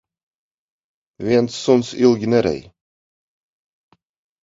Viens suns ilgi nerej.